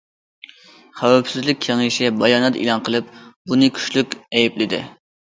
خەۋپسىزلىك كېڭىشى بايانات ئېلان قىلىپ، بۇنى كۈچلۈك ئەيىبلىدى.